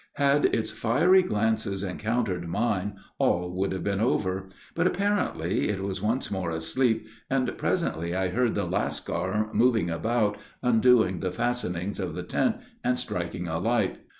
Had its fiery glances encountered mine, all would have been over; but, apparently, it was once more asleep, and presently I heard the Lascar moving about, undoing the fastenings of the tent, and striking a light.